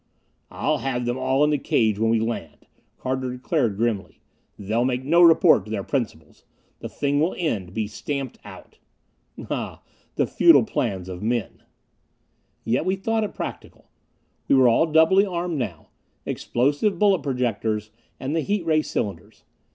"I'll have them all in the cage when we land," Carter declared grimly. "They'll make no report to their principals. The thing will end, be stamped out!" Ah, the futile plans of men! Yet we thought it practical. We were all doubly armed now. Explosive bullet projectors and the heat ray cylinders.